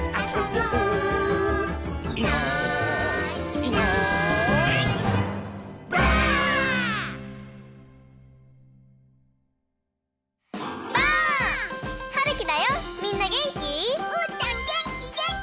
うーたんげんきげんき！